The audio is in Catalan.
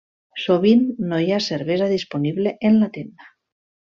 Sovint no hi ha cervesa disponible en la tenda.